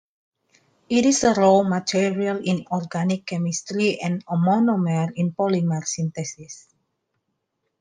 It is a raw material in organic chemistry and a monomer in polymer synthesis.